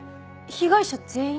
被害者全員？